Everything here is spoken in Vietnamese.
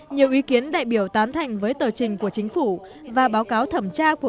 nhiều ý kiến đại biểu tán thành với tờ trình của chính phủ và báo cáo thẩm tra của